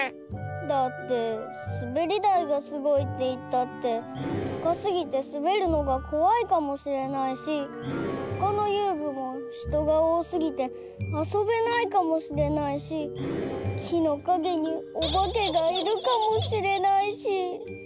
だってすべりだいがすごいっていったってたかすぎてすべるのがこわいかもしれないしほかのゆうぐもひとがおおすぎてあそべないかもしれないしきのかげにおばけがいるかもしれないし。